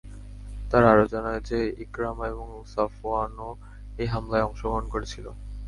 তারা আরও জানায় যে, ইকরামা এবং সফওয়ানও এই হামলায় অংশগ্রহণ করেছিল।